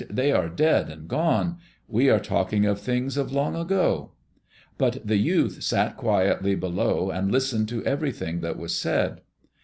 "They are dead and gone. We are talking of things of long ago." But the youth sat quietly below and listened to everything that was said.